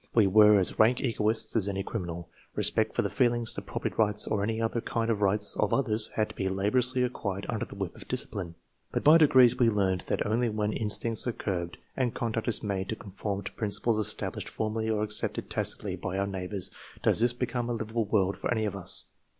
We were as rank egoists as any criminal. Respect for the feelings, the property rights, or any other kind of rights, of others had to be laboriously acquired under the whip of discipline. But by degrees we learned that only when in stincts arc curbed, and conduct is made to conform to principles established formally or accepted tacitly by our neighbors, does this become a livable world for any of us.